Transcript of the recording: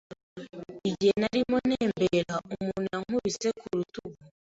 Igihe narimo ntembera, umuntu yankubise ku rutugu.